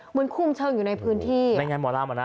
เหมือนคุ่มเชิงอยู่ในพื้นที่ในงานหมอลำเหรอนะ